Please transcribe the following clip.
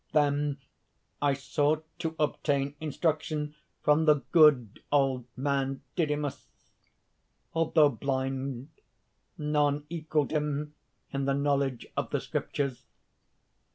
"Then I sought to obtain instruction from the good old man Didymus. Although blind, none equalled him in the knowledge of the Scriptures.